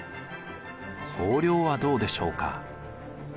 公領はどうでしょうか？